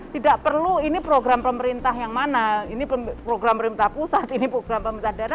tidak perlu ini program pemerintah yang mana ini program pemerintah pusat ini program pemerintah daerah